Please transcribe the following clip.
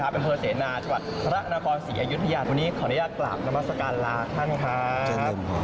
เป็นเฮอเซนาจับทรนขรสีอายุทยาวันนี้ขออนุญาตกลับนรมศกัณฐ์ล่ะท่านครับ